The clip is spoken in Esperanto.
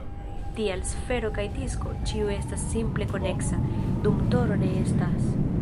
Tial, sfero kaj disko, ĉiu estas simple koneksa, dum toro ne estas.